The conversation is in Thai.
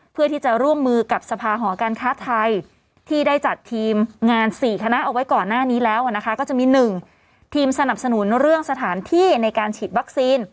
เพื่อที่จะร่วมมือกับสภาหอการค้าไทยที่ได้จัดทีมงาน๔คณะเอาไว้ก่อนหน้านี้แล้วนะคะก็จะมี๑ทีมสนับสนุนเรื่องสถานที่ในการฉีดวัคซีน